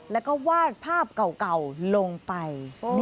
แล้วก็วาดภาพเก่าลงไป